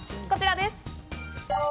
こちらです。